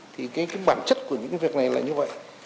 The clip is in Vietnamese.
thì cái bản chất của những việc này là như vậy